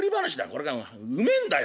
これがうめえんだよ。